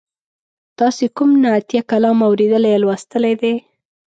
تاسې کوم نعتیه کلام اوریدلی یا لوستلی دی؟